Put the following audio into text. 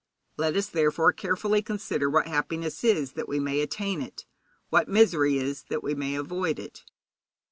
Let us therefore carefully consider what happiness is, that we may attain it; what misery is, that we may avoid it.